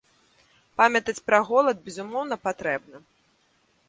Памятаць пра голад, безумоўна, патрэбна.